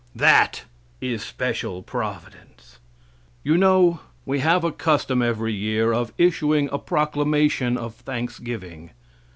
That is special providence! You know we have a custom every year of issuing a proclamation of thanksgiving.